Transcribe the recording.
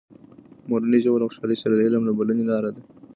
مورنۍ ژبه له خوشحالۍ سره د علم د بلنې لاره ده.